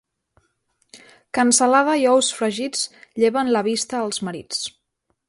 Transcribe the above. Cansalada i ous fregits lleven la vista als marits.